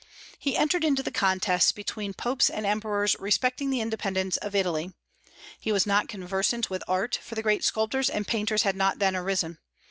He entered into the contests between Popes and Emperors respecting the independence of Italy. He was not conversant with art, for the great sculptors and painters had not then arisen.